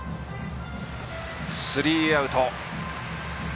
スリーアウト。